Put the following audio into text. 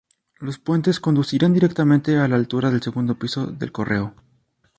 Los puentes conducirían directamente a la altura del segundo piso del Correo.